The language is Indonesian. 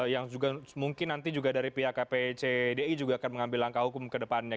yang juga mungkin nanti juga dari pihak kpcdi juga akan mengambil langkah hukum ke depannya